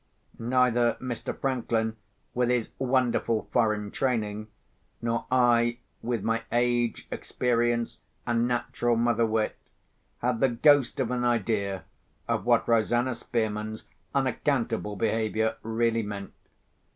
Neither Mr. Franklin, with his wonderful foreign training, nor I, with my age, experience, and natural mother wit, had the ghost of an idea of what Rosanna Spearman's unaccountable behaviour really meant.